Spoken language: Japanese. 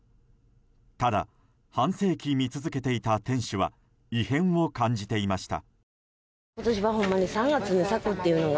ただ、半世紀見続けていた店主は異変を感じていました。